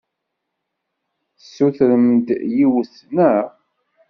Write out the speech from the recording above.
Tessutrem-d yiwet, naɣ?